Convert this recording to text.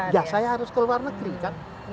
ya saya harus ke luar negeri kan